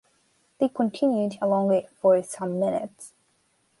They continued along it for some minutes.